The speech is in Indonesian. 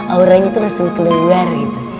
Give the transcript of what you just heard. auranya itu langsung keluar gitu